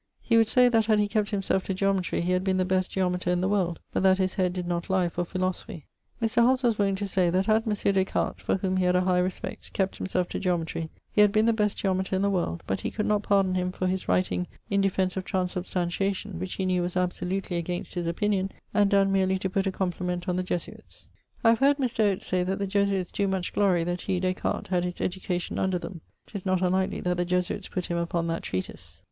He would say that had he kept himself to Geometry he had been the best geometer in the world but that his head did not lye for philosophy. Mr. Hobbes was wont to say that had Mⁱᵉᵘʳ Des Cartes (for whom he had a high respect) kept himselfe to geometrie, he had been the best geometer in the world; but he could not pardon him for his writing in defence of transubstantiation, which he knew was absolutely against his opinion and donne meerly to putt a compliment the Jesuites. I have heard Mr. Oates say that the Jesuites doe much glorie that he had his education under them. 'Tis not unlikely that the Jesuites putt him upon that treatise.